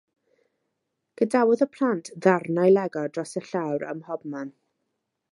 Gadawodd y plant ddarnau Lego dros y llawr ym mhob man.